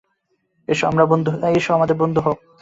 এসো, আমাদের বন্ধু হও।